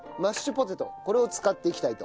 これを使っていきたいと思います。